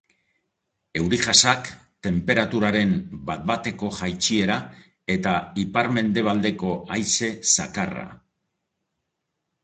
Euri-jasak, tenperaturaren bat-bateko jaitsiera eta ipar-mendebaldeko haize zakarra.